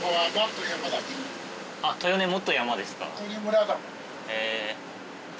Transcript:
豊根もっと山ですか？